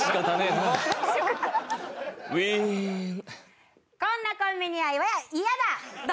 どんなコンビニ？